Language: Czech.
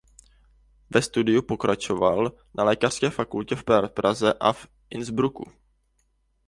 Ve studiu pokračoval na Lékařské fakultě v Praze a v Innsbrucku.